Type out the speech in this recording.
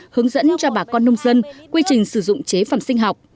hướng dẫn cho bà con nông dân quy trình sử dụng chế phẩm sinh học